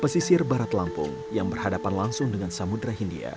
pesisir barat lampung yang berhadapan langsung dengan samudera hindia